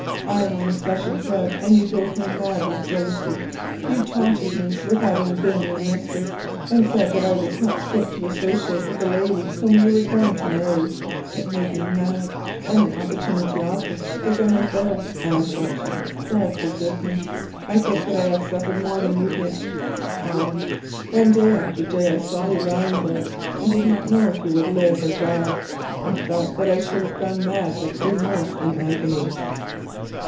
I am only flesh and blood, and you drove me wild with jealousy—you taunted me with having been your mistress and said that I was not fit to associate with the lady whom you were going to marry. It made me mad, and the opportunity offered—the gun was there, and I shot you. God forgive me, I think that I have suffered more than you did. Oh! when day after day I saw you lying there and did not know if you would live or die, I thought that I should have gone mad with remorse and agony!"